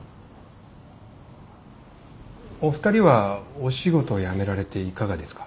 お二人はお仕事辞められていかがですか？